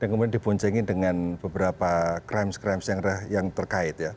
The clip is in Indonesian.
kemudian dibonjengi dengan beberapa crimes crimes yang terkait